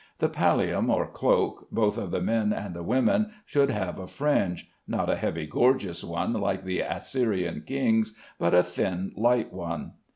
The pallium or cloak, both of the men and the women, should have a fringe; not a heavy gorgeous one, like the Assyrian kings, but a thin light one.